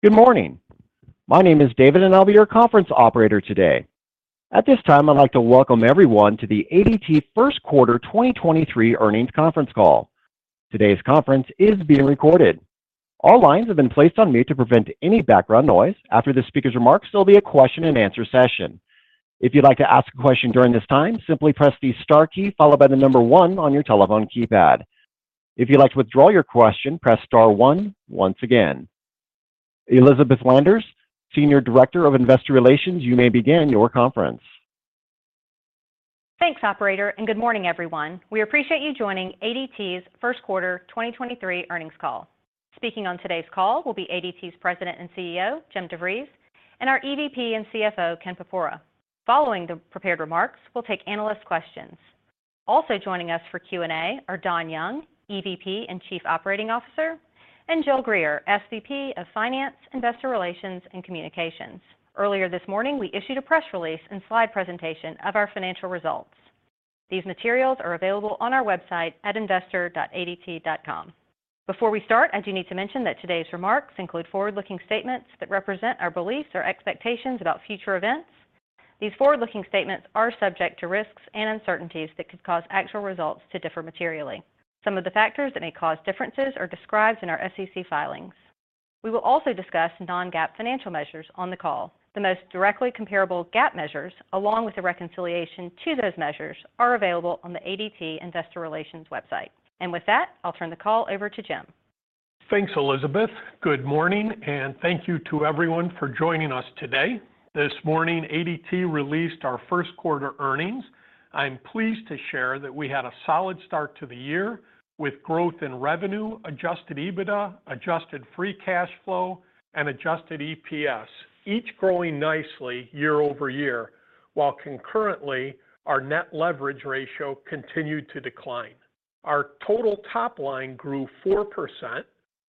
Good morning. My name is David. I'll be your conference operator today. At this time, I'd like to welcome everyone to the ADT First Quarter 2023 Earnings Conference Call. Today's conference is being recorded. All lines have been placed on mute to prevent any background noise. After the speaker's remarks, there'll be a question-and-answer session. If you'd like to ask a question during this time, simply press the Star key followed by number one on your telephone keypad. If you'd like to withdraw your question, press Star one once again. Elizabeth Landers, Senior Director of Investor Relations, you may begin your conference. Thanks, operator. Good morning, everyone. We appreciate you joining ADT's First Quarter 2023 Earnings Call. Speaking on today's call will be ADT's President and CEO, Jim DeVries, and our EVP and CFO, Ken Porpora. Following the prepared remarks, we'll take analyst questions. Joining us for Q&A are Don Young, EVP and Chief Operating Officer, and Jill Grew, SVP of Finance, Investor Relations, and Communications. Earlier this morning, we issued a press release and slide presentation of our financial results. These materials are available on our website at investor.adt.com. Before we start, I do need to mention that today's remarks include forward-looking statements that represent our beliefs or expectations about future events. These forward-looking statements are subject to risks and uncertainties that could cause actual results to differ materially. Some of the factors that may cause differences are described in our SEC filings. We will also discuss non-GAAP financial measures on the call. The most directly comparable GAAP measures, along with the reconciliation to those measures, are available on the ADT Investor Relations website. With that, I'll turn the call over to Jim. Thanks, Elizabeth. Good morning, thank you to everyone for joining us today. This morning, ADT released our first quarter earnings. I'm pleased to share that we had a solid start to the year with growth in revenue, adjusted EBITDA, adjusted free cash flow, and adjusted EPS, each growing nicely year-over-year, while concurrently, our net leverage ratio continued to decline. Our total top line grew 4%,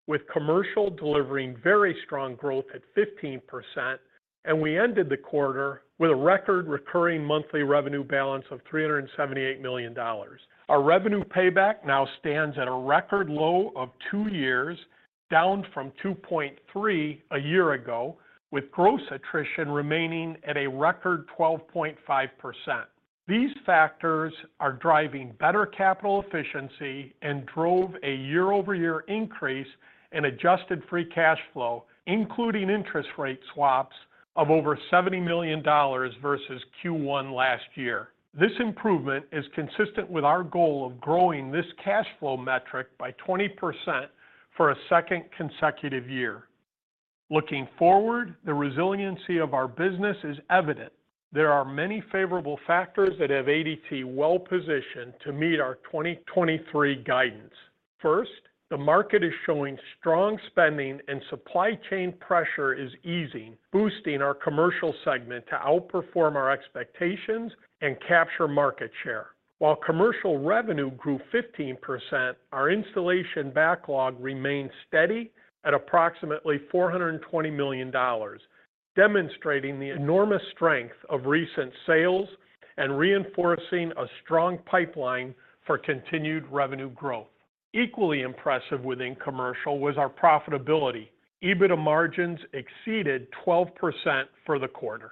with commercial delivering very strong growth at 15%, and we ended the quarter with a record recurring monthly revenue balance of $378 million. Our revenue payback now stands at a record low of 2 years, down from 2.3 a year ago, with gross attrition remaining at a record 12.5%. These factors are driving better capital efficiency and drove a year-over-year increase in adjusted free cash flow, including interest rate swaps of over $70 million versus Q1 last year. This improvement is consistent with our goal of growing this cash flow metric by 20% for a second consecutive year. Looking forward, the resiliency of our business is evident. There are many favorable factors that have ADT well-positioned to meet our 2023 guidance. First, the market is showing strong spending and supply chain pressure is easing, boosting our commercial segment to outperform our expectations and capture market share. While commercial revenue grew 15%, our installation backlog remained steady at approximately $420 million, demonstrating the enormous strength of recent sales and reinforcing a strong pipeline for continued revenue growth. Equally impressive within commercial was our profitability. EBITDA margins exceeded 12% for the quarter.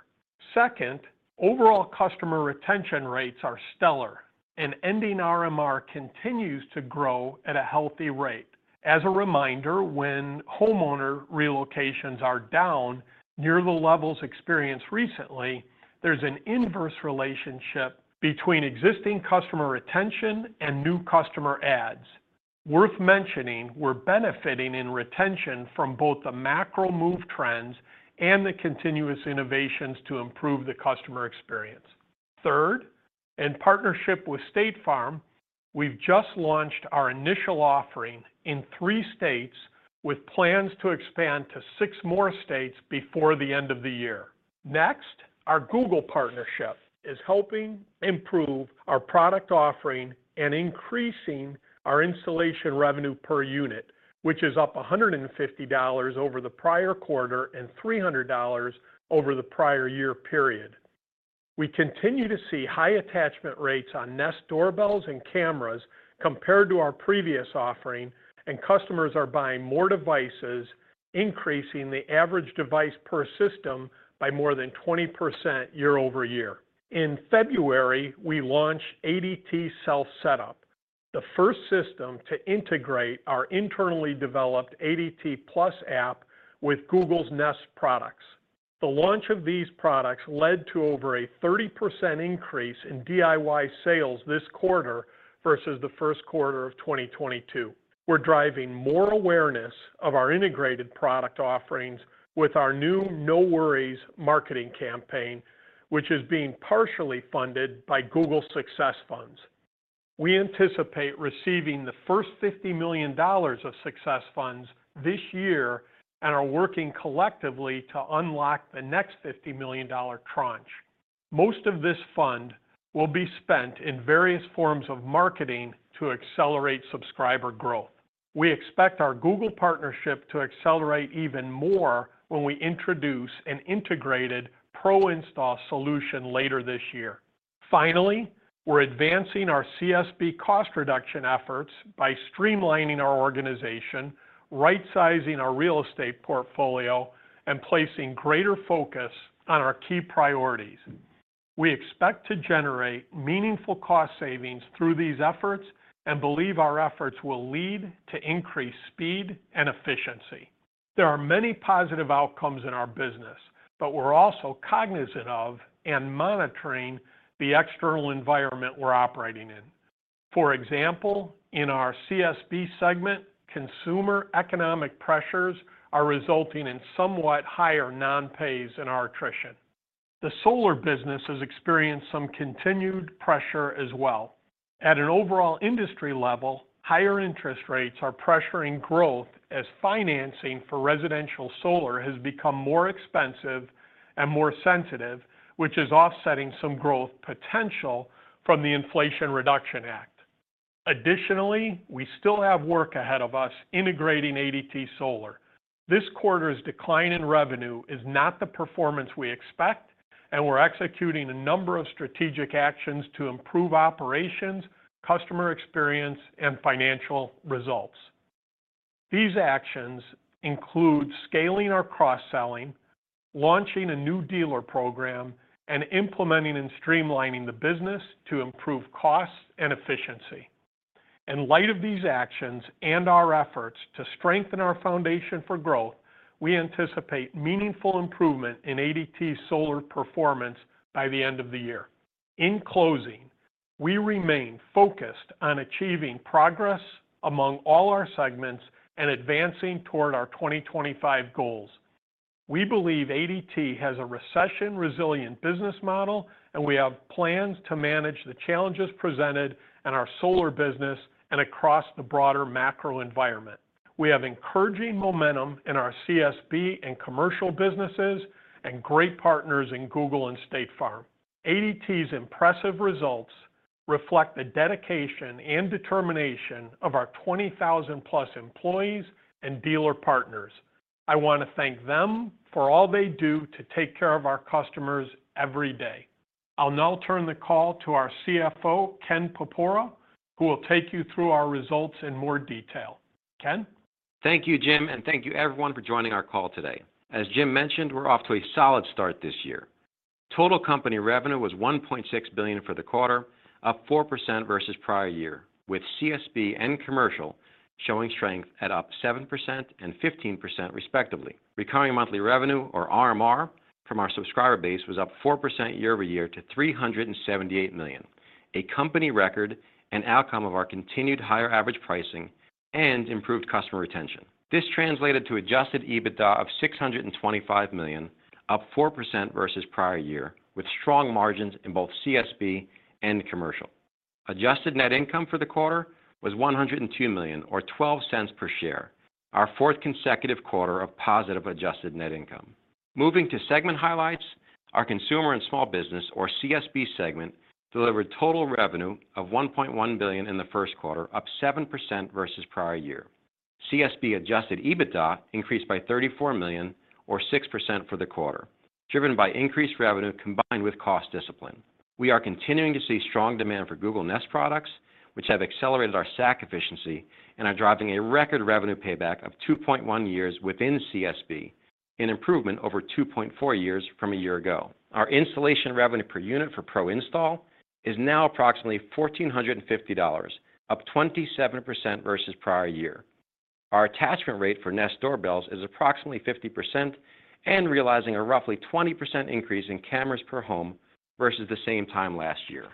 Second, overall customer retention rates are stellar, and ending RMR continues to grow at a healthy rate. As a reminder, when homeowner relocations are down near the levels experienced recently, there's an inverse relationship between existing customer retention and new customer adds. Worth mentioning, we're benefiting in retention from both the macro move trends and the continuous innovations to improve the customer experience. Third, in partnership with State Farm, we've just launched our initial offering in three states with plans to expand to six more states before the end of the year. Our Google partnership is helping improve our product offering and increasing our installation revenue per unit, which is up $150 over the prior quarter and $300 over the prior year period. We continue to see high attachment rates on Nest doorbells and cameras compared to our previous offering. Customers are buying more devices, increasing the average device per system by more than 20% year-over-year. In February, we launched ADT Self Setup, the first system to integrate our internally developed ADT+ app with Google's Nest products. The launch of these products led to over a 30% increase in DIY sales this quarter versus the first quarter of 2022. We're driving more awareness of our integrated product offerings with our new No Worries marketing campaign, which is being partially funded by Google success funds. We anticipate receiving the first $50 million of success funds this year and are working collectively to unlock the next $50 million tranche. Most of this fund will be spent in various forms of marketing to accelerate subscriber growth. We expect our Google partnership to accelerate even more when we introduce an integrated Pro Install solution later this year. Finally, we're advancing our CSB cost reduction efforts by streamlining our organization, right-sizing our real estate portfolio, and placing greater focus on our key priorities. We expect to generate meaningful cost savings through these efforts and believe our efforts will lead to increased speed and efficiency. There are many positive outcomes in our business, but we're also cognizant of and monitoring the external environment we're operating in. For example, in our CSB segment, consumer economic pressures are resulting in somewhat higher non-pays and attrition. The solar business has experienced some continued pressure as well. At an overall industry level, higher interest rates are pressuring growth as financing for residential solar has become more expensive and more sensitive, which is offsetting some growth potential from the Inflation Reduction Act. Additionally, we still have work ahead of us integrating ADT Solar. This quarter's decline in revenue is not the performance we expect, and we're executing a number of strategic actions to improve operations, customer experience, and financial results. These actions include scaling our cross-selling, launching a new dealer program, and implementing and streamlining the business to improve costs and efficiency. In light of these actions and our efforts to strengthen our foundation for growth, we anticipate meaningful improvement in ADT Solar performance by the end of the year. In closing, we remain focused on achieving progress among all our segments and advancing toward our 2025 goals. We believe ADT has a recession-resilient business model, and we have plans to manage the challenges presented in our solar business and across the broader macro environment. We have encouraging momentum in our CSB and commercial businesses and great partners in Google and State Farm. ADT's impressive results reflect the dedication and determination of our 20,000-plus employees and dealer partners. I want to thank them for all they do to take care of our customers every day. I'll now turn the call to our CFO, Ken Porpora, who will take you through our results in more detail. Ken? Thank you, Jim. Thank you everyone for joining our call today. As Jim mentioned, we're off to a solid start this year. Total company revenue was $1.6 billion for the quarter, up 4% versus prior year, with CSB and commercial showing strength at up 7% and 15% respectively. Recurring monthly revenue, or RMR, from our subscriber base was up 4% year-over-year to $378 million, a company record and outcome of our continued higher average pricing and improved customer retention. This translated to Adjusted EBITDA of $625 million, up 4% versus prior year, with strong margins in both CSB and commercial. Adjusted net income for the quarter was $102 million or $0.12 per share, our fourth consecutive quarter of positive adjusted net income. Moving to segment highlights, our consumer and small business or CSB segment delivered total revenue of $1.1 billion in the first quarter, up 7% versus prior year. CSB adjusted EBITDA increased by $34 million or 6% for the quarter, driven by increased revenue combined with cost discipline. We are continuing to see strong demand for Google Nest products, which have accelerated our SAC efficiency and are driving a record revenue payback of 2.1 years within CSB, an improvement over 2.4 years from a year ago. Our installation revenue per unit for Pro Install is now approximately $1,450, up 27% versus prior year. Our attachment rate for Nest doorbells is approximately 50% and realizing a roughly 20% increase in cameras per home versus the same time last year.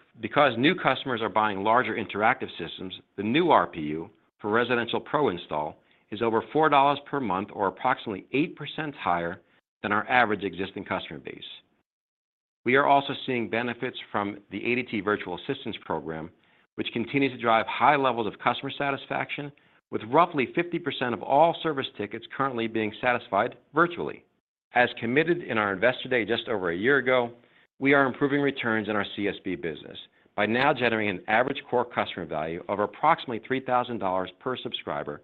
New customers are buying larger interactive systems, the new RPU for residential Pro Install is over $4 per month or approximately 8% higher than our average existing customer base. We are also seeing benefits from the ADT Virtual Assistance program, which continues to drive high levels of customer satisfaction with roughly 50% of all service tickets currently being satisfied virtually. As committed in our Investor Day just over a year ago, we are improving returns in our CSB business by now generating an average core customer value of approximately $3,000 per subscriber,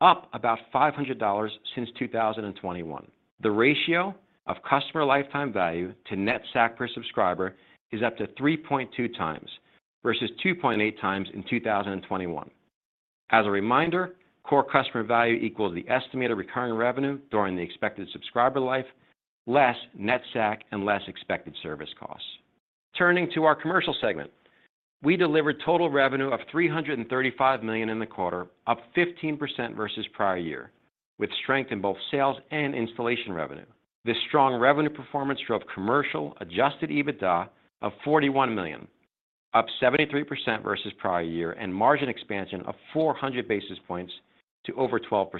up about $500 since 2021. The ratio of customer lifetime value to net SAC per subscriber is up to 3.2x versus 2.8x in 2021. As a reminder, core customer value equals the estimated recurring revenue during the expected subscriber life, less net SAC and less expected service costs. Turning to our commercial segment, we delivered total revenue of $335 million in the quarter, up 15% versus prior year, with strength in both sales and installation revenue. This strong revenue performance drove commercial adjusted EBITDA of $41 million, up 73% versus prior year, and margin expansion of 400 basis points to over 12%.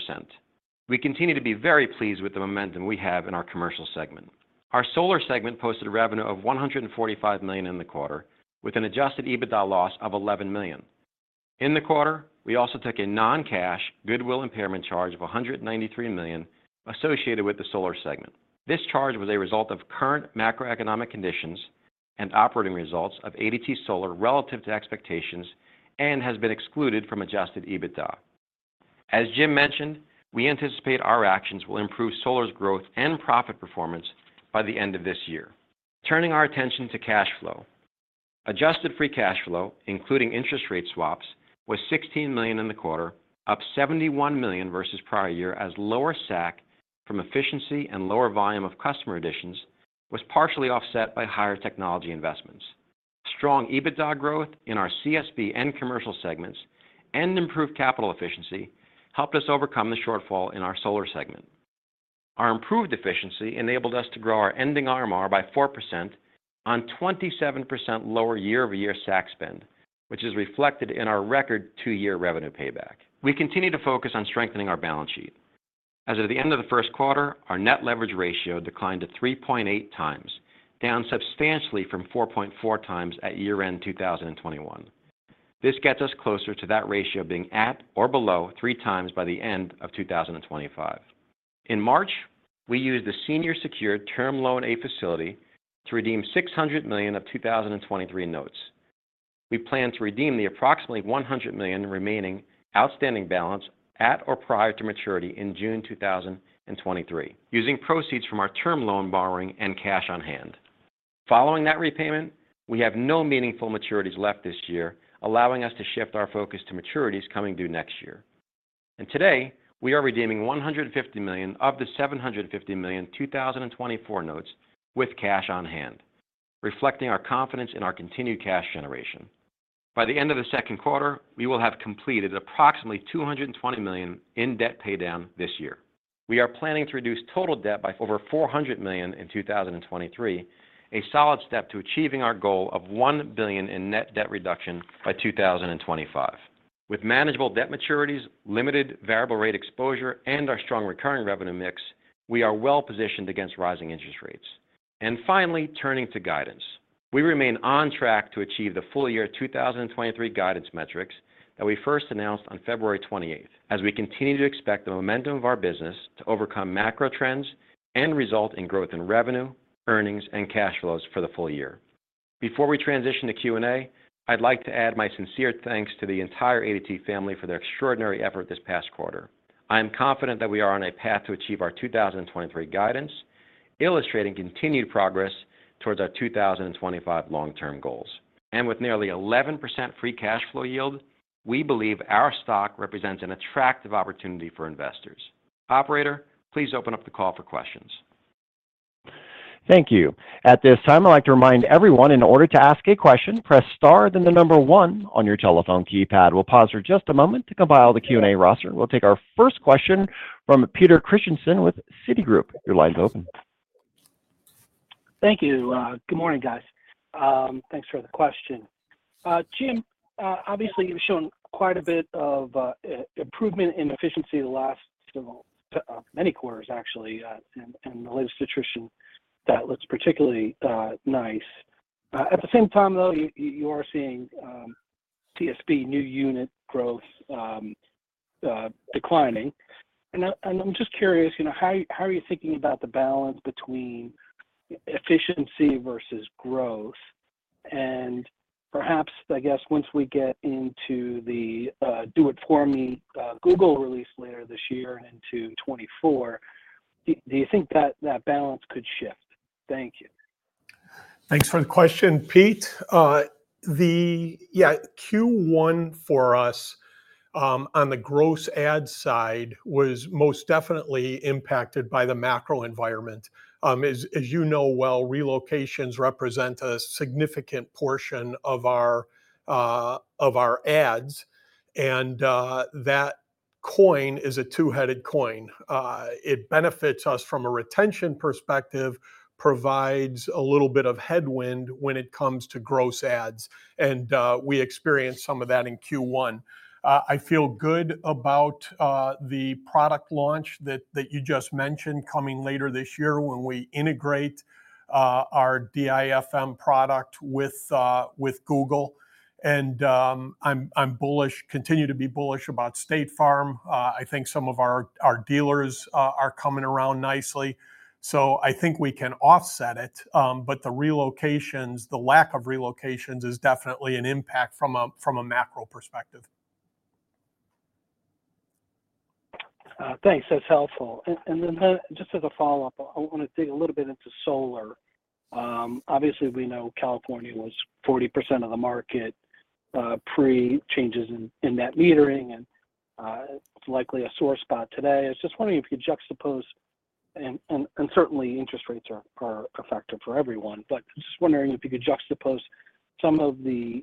We continue to be very pleased with the momentum we have in our commercial segment. Our solar segment posted revenue of $145 million in the quarter, with an Adjusted EBITDA loss of $11 million. In the quarter, we also took a non-cash goodwill impairment charge of $193 million associated with the solar segment. This charge was a result of current macroeconomic conditions and operating results of ADT Solar relative to expectations and has been excluded from Adjusted EBITDA. As Jim mentioned, we anticipate our actions will improve Solar's growth and profit performance by the end of this year. Turning our attention to cash flow. Adjusted free cash flow, including interest rate swaps, was $16 million in the quarter, up $71 million versus prior year as lower SAC from efficiency and lower volume of customer additions was partially offset by higher technology investments. Strong EBITDA growth in our CSB and commercial segments and improved capital efficiency helped us overcome the shortfall in our Solar segment. Our improved efficiency enabled us to grow our ending RMR by 4% on 27% lower year-over-year SAC spend, which is reflected in our record two-year revenue payback. We continue to focus on strengthening our balance sheet. As of the end of the first quarter, our net leverage ratio declined to 3.8 times, down substantially from 4.4 times at year-end 2021. This gets us closer to that ratio being at or below 3 times by the end of 2025. In March, we used the senior secured term loan A facility to redeem $600 million of 2023 notes. We plan to redeem the approximately $100 million remaining outstanding balance at or prior to maturity in June 2023 using proceeds from our term loan borrowing and cash on hand. Following that repayment, we have no meaningful maturities left this year, allowing us to shift our focus to maturities coming due next year. Today, we are redeeming $150 million of the $750 million 2024 notes with cash on hand, reflecting our confidence in our continued cash generation. By the end of the second quarter, we will have completed approximately $220 million in debt pay down this year. We are planning to reduce total debt by over $400 million in 2023, a solid step to achieving our goal of $1 billion in net debt reduction by 2025. With manageable debt maturities, limited variable rate exposure, and our strong recurring revenue mix, we are well-positioned against rising interest rates. Finally, turning to guidance. We remain on track to achieve the full year 2023 guidance metrics that we first announced on February 28th, as we continue to expect the momentum of our business to overcome macro trends and result in growth in revenue, earnings, and cash flows for the full year. Before we transition to Q&A, I'd like to add my sincere thanks to the entire ADT family for their extraordinary effort this past quarter. I am confident that we are on a path to achieve our 2023 guidance, illustrating continued progress towards our 2025 long-term goals. With nearly 11% free cash flow yield, we believe our stock represents an attractive opportunity for investors. Operator, please open up the call for questions. Thank you. At this time, I'd like to remind everyone in order to ask a question, press star, then the 1 on your telephone keypad. We'll pause for just a moment to compile the Q&A roster. We'll take our first question from Peter Christiansen with Citigroup. Your line's open. Thank you. Good morning, guys. Thanks for the question. Jim, obviously, you've shown quite a bit of improvement in efficiency the last many quarters actually, and the latest attrition that looks particularly nice. At the same time, though, you are seeing CSB new unit growth declining. I'm just curious, you know, how are you thinking about the balance between efficiency versus growth? Perhaps, I guess, once we get into the do it for me Google release later this year and into 2024, do you think that that balance could shift? Thank you. Thanks for the question, Pete. Yeah, Q1 for us on the gross adds side was most definitely impacted by the macro environment. As you know well, relocations represent a significant portion of our of our adds, and that coin is a two-headed coin. It benefits us from a retention perspective, provides a little bit of headwind when it comes to gross adds, and we experienced some of that in Q1. I feel good about the product launch that you just mentioned coming later this year when we integrate our DIFM product with Google. I'm bullish, continue to be bullish about State Farm. I think some of our dealers are coming around nicely, so I think we can offset it. The relocations, the lack of relocations is definitely an impact from a, from a macro perspective. Thanks. That's helpful. Then just as a follow-up, I want to dig a little bit into Solar. Obviously, we know California was 40% of the market, pre-changes in net metering and it's likely a sore spot today. I was just wondering if you could juxtapose and certainly interest rates are a factor for everyone, but just wondering if you could juxtapose some of the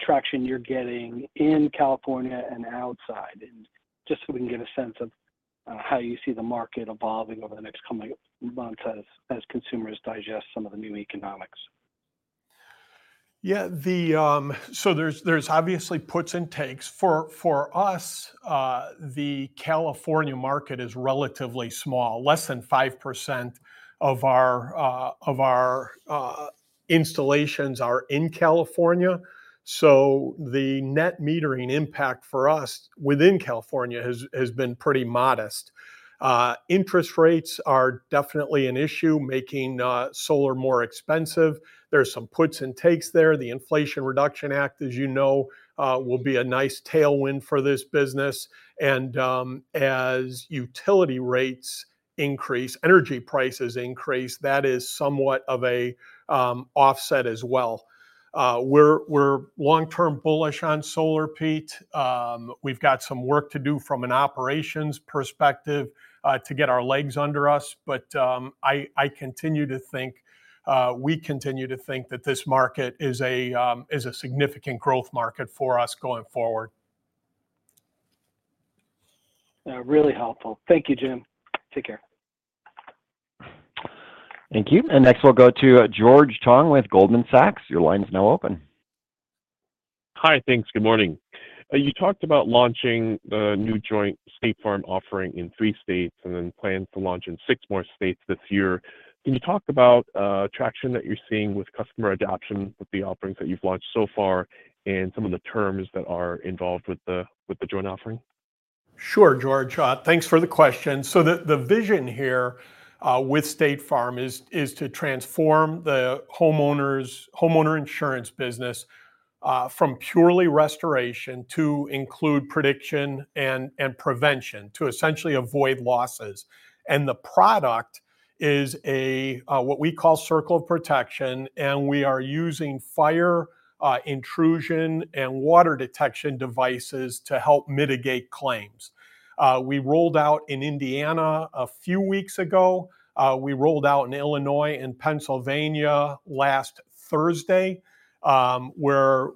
traction you're getting in California and outside, and just so we can get a sense of, how you see the market evolving over the next coming months as consumers digest some of the new economics. Yeah. The, there's obviously puts and takes. For us, the California market is relatively small, less than 5% of our... Installations are in California. The net metering impact for us within California has been pretty modest. Interest rates are definitely an issue, making solar more expensive. There's some puts and takes there. The Inflation Reduction Act, as you know, will be a nice tailwind for this business. As utility rates increase, energy prices increase, that is somewhat of a offset as well. We're long-term bullish on solar, Pete. We've got some work to do from an operations perspective to get our legs under us, but I continue to think we continue to think that this market is a significant growth market for us going forward. Really helpful. Thank you, Jim. Take care. Thank you. Next we'll go to George Tong with Goldman Sachs. Your line's now open. Hi. Thanks. Good morning. You talked about launching the new joint State Farm offering in three states, and then plan to launch in six more states this year. Can you talk about traction that you're seeing with customer adoption with the offerings that you've launched so far and some of the terms that are involved with the, with the joint offering? Sure, George. Thanks for the question. The vision here with State Farm is to transform the homeowner insurance business from purely restoration to include prediction and prevention, to essentially avoid losses. The product is a what we call Circle of Protection, we are using fire, intrusion, and water detection devices to help mitigate claims. We rolled out in Indiana a few weeks ago. We rolled out in Illinois and Pennsylvania last Thursday. We're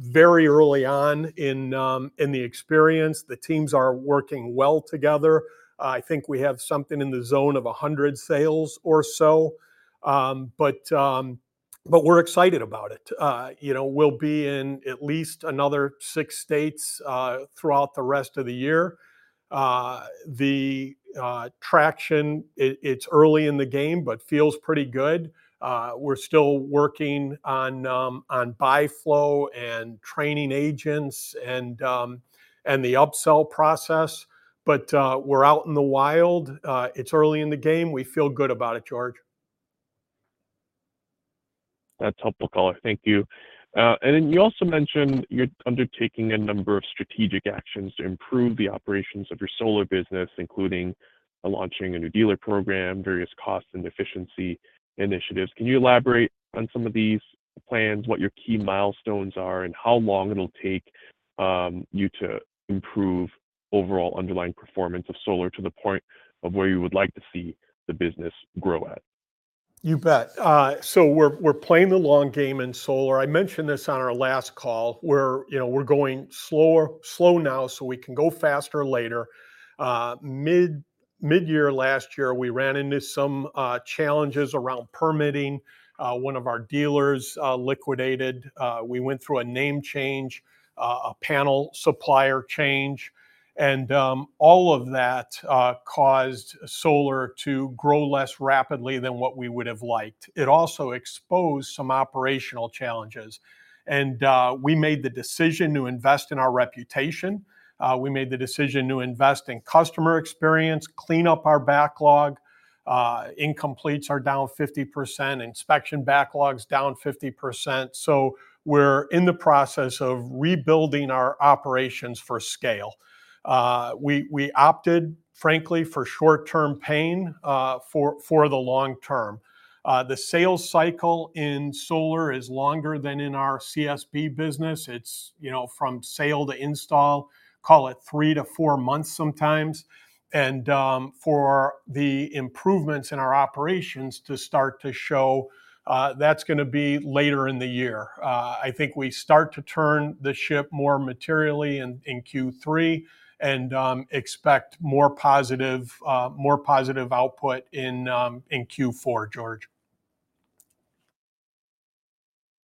very early on in the experience. The teams are working well together. I think we have something in the zone of 100 sales or so. But we're excited about it. You know, we'll be in at least another six states throughout the rest of the year. The traction it's early in the game, but feels pretty good. We're still working on buy flow and training agents and the upsell process. We're out in the wild. It's early in the game. We feel good about it, George. That's helpful. Thank you. You also mentioned you're undertaking a number of strategic actions to improve the operations of your solar business, including launching a new dealer program, various costs and efficiency initiatives. Can you elaborate on some of these plans, what your key milestones are, and how long it'll take you to improve overall underlying performance of solar to the point of where you would like to see the business grow at? You bet. We're playing the long game in solar. I mentioned this on our last call, we're going slower, slow now so we can go faster later. Mid-year last year we ran into some challenges around permitting. One of our dealers liquidated. We went through a name change, a panel supplier change, and all of that caused solar to grow less rapidly than what we would have liked. It also exposed some operational challenges. We made the decision to invest in our reputation. We made the decision to invest in customer experience, clean up our backlog. Incompletes are down 50%, inspection backlogs down 50%. We're in the process of rebuilding our operations for scale. We opted, frankly, for short-term pain for the long term. The sales cycle in solar is longer than in our CSB business. It's, you know, from sale to install, call it three to four months sometimes. For the improvements in our operations to start to show, that's gonna be later in the year. I think we start to turn the ship more materially in Q3 and expect more positive, more positive output in Q4, George.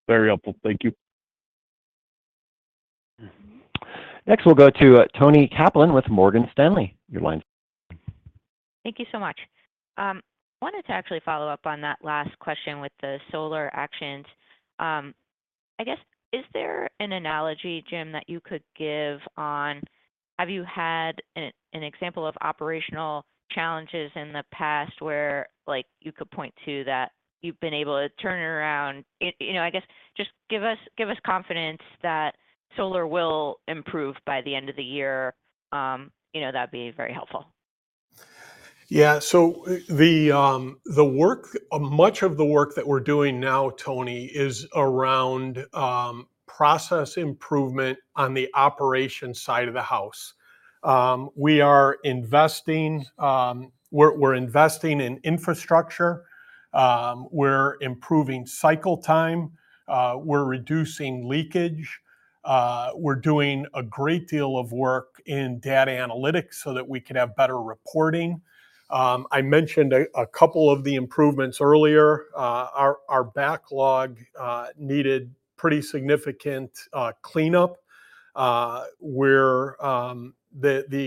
Very helpful. Thank you. Next we'll go to Toni Kaplan with Morgan Stanley. Thank you so much. Wanted to actually follow up on that last question with the solar actions. I guess, is there an analogy, Jim, that you could give on have you had an example of operational challenges in the past where, like, you could point to that you've been able to turn it around? you know, I guess just give us confidence that solar will improve by the end of the year. you know, that'd be very helpful. Yeah. The work, much of the work that we're doing now, Toni Kaplan, is around process improvement on the operations side of the house. We are investing, we're investing in infrastructure. We're improving cycle time. We're reducing leakage. We're doing a great deal of work in data analytics so that we can have better reporting. I mentioned a couple of the improvements earlier. Our backlog needed pretty significant cleanup. The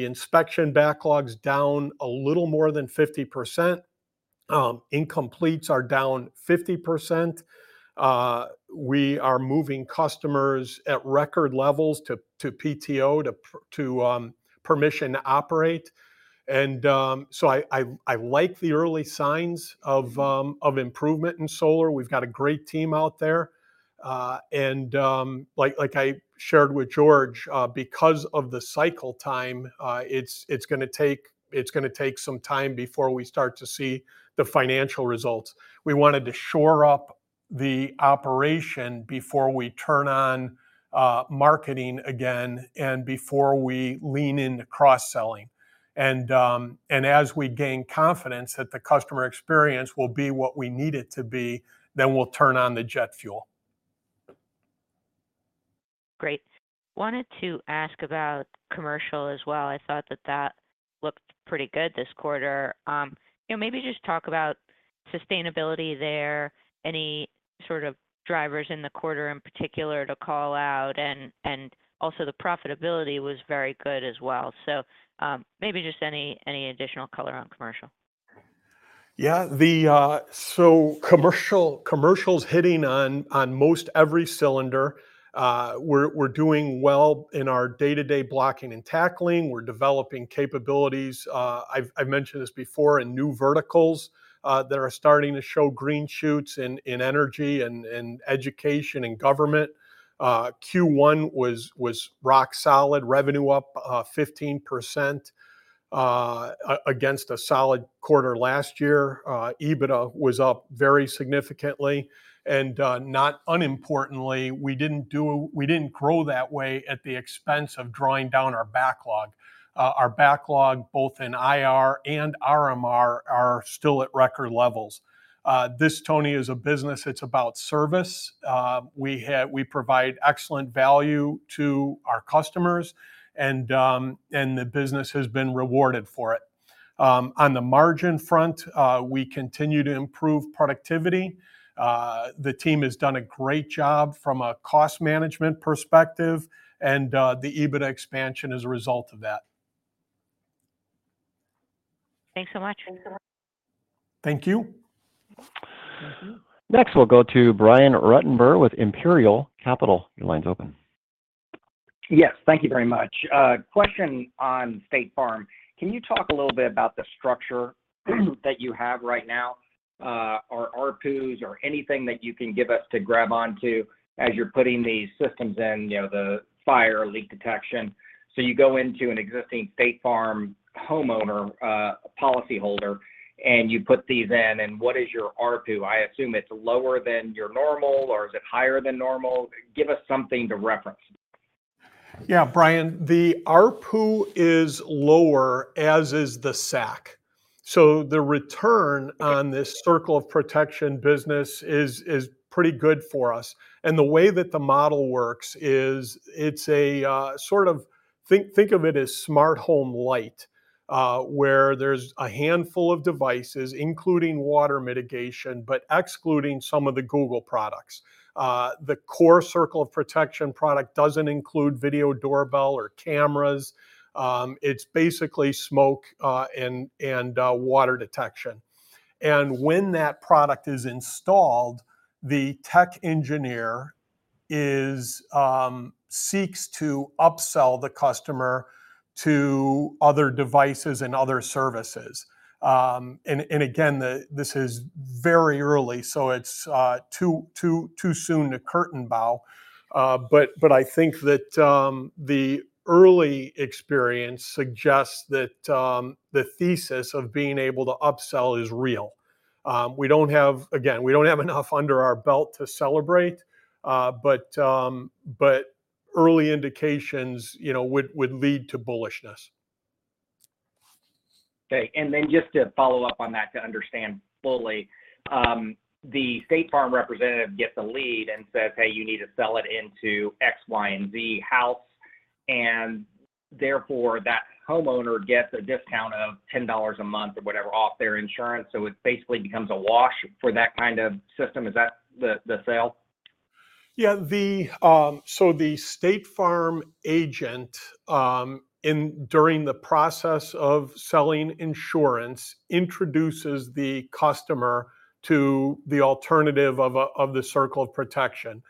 inspection backlog's down a little more than 50%. Incompletes are down 50%. We are moving customers at record levels to PTO, to permission to operate. I like the early signs of improvement in solar. We've got a great team out there. Like I shared with George, because of the cycle time, it's gonna take some time before we start to see the financial results. We wanted to shore up the operation before we turn on marketing again and before we lean into cross-selling. As we gain confidence that the customer experience will be what we need it to be, then we'll turn on the jet fuel. Great. Wanted to ask about commercial as well. I thought that that looked pretty good this quarter. you know, maybe just talk about sustainability there, any sort of drivers in the quarter in particular to call out, and also the profitability was very good as well. maybe just any additional color on commercial? Yeah. The commercial's hitting on most every cylinder. We're doing well in our day-to-day blocking and tackling. We're developing capabilities, I've mentioned this before, in new verticals that are starting to show green shoots in energy and education and government. Q1 was rock solid. Revenue up 15% against a solid quarter last year. EBITDA was up very significantly, and not unimportantly, we didn't grow that way at the expense of drawing down our backlog. Our backlog, both in IR and RMR, are still at record levels. This, Toni, is a business that's about service. We provide excellent value to our customers and the business has been rewarded for it. On the margin front, we continue to improve productivity. The team has done a great job from a cost management perspective and, the EBITDA expansion is a result of that. Thanks so much. Thank you. Next, we'll go to Brian Ruttenbur with Imperial Capital. Your line's open. Yes. Thank you very much. Question on State Farm. Can you talk a little bit about the structure that you have right now, or ARPUs or anything that you can give us to grab on to as you're putting these systems in, you know, the fire, leak detection? You go into an existing State Farm homeowner, policyholder, and you put these in, and what is your ARPU? I assume it's lower than your normal, or is it higher than normal? Give us something to reference. Brian, the ARPU is lower, as is the SAC. The return on this Circle of Protection business is pretty good for us. The way that the model works is it's a sort of think of it as smart home lite, where there's a handful of devices, including water mitigation, but excluding some of the Google products. The core Circle of Protection product doesn't include video doorbell or cameras. It's basically smoke, and water detection. When that product is installed, the tech engineer seeks to upsell the customer to other devices and other services. Again, this is very early, so it's too soon to curtain bow. But I think that the early experience suggests that the thesis of being able to upsell is real. Again, we don't have enough under our belt to celebrate, but early indications, you know, would lead to bullishness. Okay. Just to follow up on that to understand fully, the State Farm representative gets a lead and says, "Hey, you need to sell it into X, Y, and Z house," and therefore that homeowner gets a discount of $10 a month or whatever off their insurance, so it basically becomes a wash for that kind of system. Is that the sale? Yeah. The State Farm agent, during the process of selling insurance, introduces the customer to the alternative of the Circle of Protection.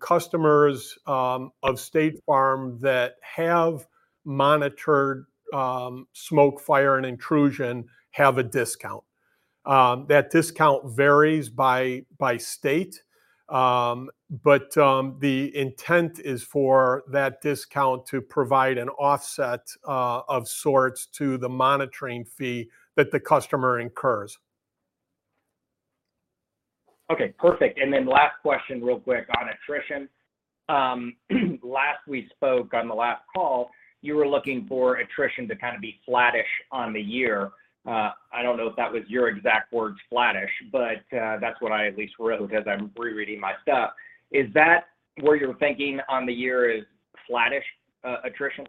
Customers, of State Farm that have monitored, smoke, fire, and intrusion have a discount. That discount varies by state, but the intent is for that discount to provide an offset, of sorts to the monitoring fee that the customer incurs. Okay, perfect. Last question real quick on attrition. Last we spoke on the last call, you were looking for attrition to kind of be flattish on the year. I don't know if that was your exact words, flattish, but that's what I at least wrote as I'm rereading my stuff. Is that where you're thinking on the year is flattish attrition?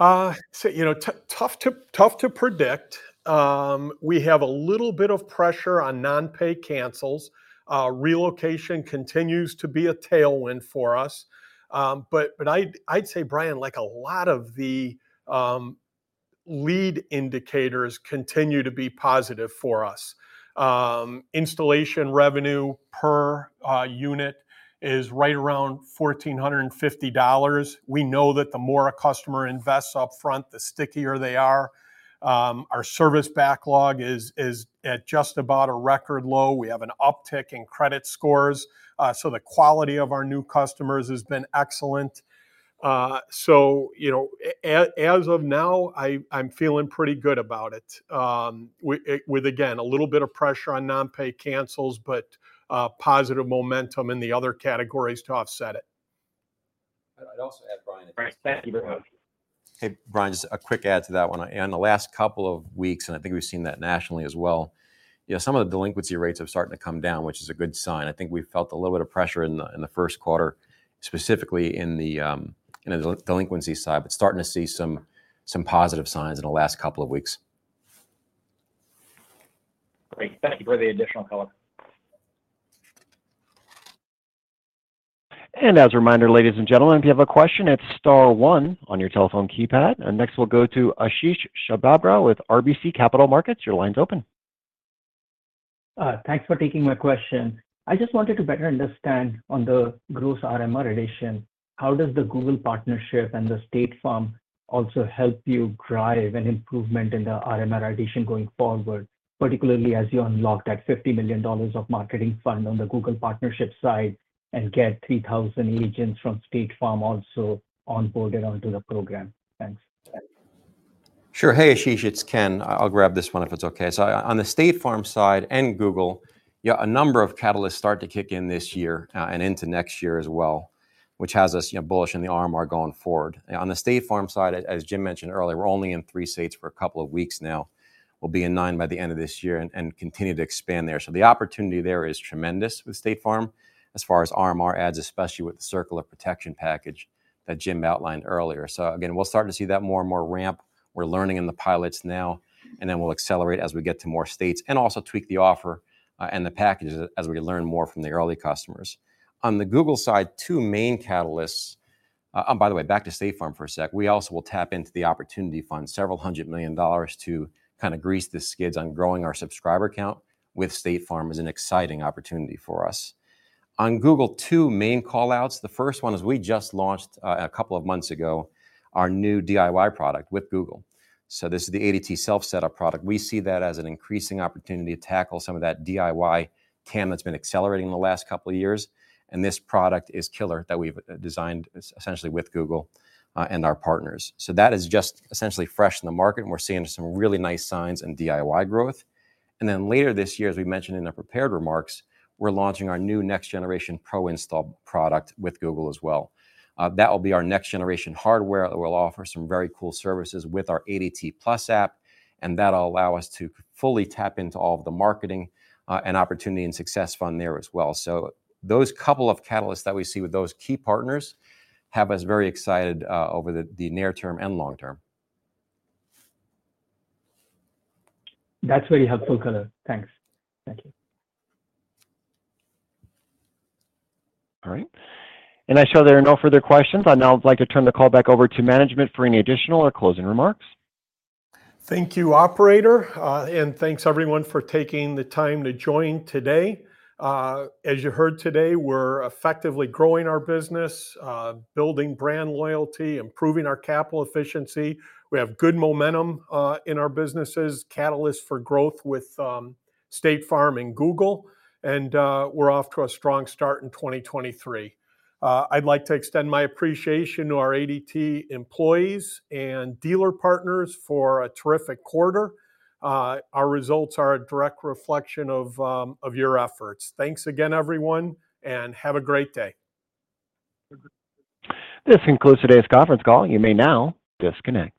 You know, tough to predict. We have a little bit of pressure on non-pay cancels. Relocation continues to be a tailwind for us. I'd say, Brian, like a lot of the leading indicators continue to be positive for us. Installation revenue per unit is right around $1,450. We know that the more a customer invests upfront, the stickier they are. Our service backlog is at just about a record low. We have an uptick in credit scores, the quality of our new customers has been excellent. You know, as of now, I'm feeling pretty good about it. With again, a little bit of pressure on non-pay cancels, but positive momentum in the other categories to offset it. I'd also add, Brian- Brian, thank you very much. Hey, Brian, just a quick add to that one. In the last couple of weeks, and I think we've seen that nationally as well, you know, some of the delinquency rates have started to come down, which is a good sign. I think we felt a little bit of pressure in the first quarter, specifically in the delinquency side, but starting to see some positive signs in the last couple of weeks. Great. Thank you for the additional color. As a reminder, ladies and gentlemen, if you have a question, it's star one on your telephone keypad. Next, we'll go to Ashish Sabadra with RBC Capital Markets. Your line's open. Thanks for taking my question. I just wanted to better understand on the gross RMR addition, how does the Google partnership and the State Farm also help you drive an improvement in the RMR addition going forward, particularly as you unlocked that $50 million of marketing fund on the Google partnership side and get 3,000 agents from State Farm also onboarded onto the program? Thanks. Sure. Hey, Ashish, it's Ken. I'll grab this one if it's okay. On the State Farm side and Google, yeah, a number of catalysts start to kick in this year, and into next year as well, which has us, you know, bullish on the RMR going forward. On the State Farm side, as Jim mentioned earlier, we're only in 3 states for a couple of weeks now. We'll be in 9 by the end of this year and continue to expand there. The opportunity there is tremendous with State Farm as far as RMR adds, especially with the Circle of Protection package that Jim outlined earlier. Again, we'll start to see that more and more ramp. We're learning in the pilots now, and then we'll accelerate as we get to more states and also tweak the offer and the packages as we learn more from the early customers. On the Google side, two main catalysts. By the way, back to State Farm for a sec. We also will tap into the opportunity fund, several hundred million dollars to kind of grease the skids on growing our subscriber count with State Farm is an exciting opportunity for us. On Google, two main call-outs. The first one is we just launched a couple of months ago our new DIY product with Google. This is the ADT Self Setup product. We see that as an increasing opportunity to tackle some of that DIY TAM that's been accelerating in the last couple of years, this product is killer that we've designed essentially with Google and our partners. That is just essentially fresh in the market, we're seeing some really nice signs in DIY growth. Later this year, as we mentioned in the prepared remarks, we're launching our new next-generation Pro Install product with Google as well. That will be our next-generation hardware that will offer some very cool services with our ADT+ app, that'll allow us to fully tap into all of the marketing and opportunity and success fund there as well. Those couple of catalysts that we see with those key partners have us very excited over the near term and long term. That's really helpful color. Thanks. Thank you. All right. I show there are no further questions. I'd now like to turn the call back over to management for any additional or closing remarks. Thank you, operator. Thanks everyone for taking the time to join today. As you heard today, we're effectively growing our business, building brand loyalty, improving our capital efficiency. We have good momentum in our businesses, catalysts for growth with State Farm and Google, we're off to a strong start in 2023. I'd like to extend my appreciation to our ADT employees and dealer partners for a terrific quarter. Our results are a direct reflection of your efforts. Thanks again, everyone, have a great day. This concludes today's conference call. You may now disconnect.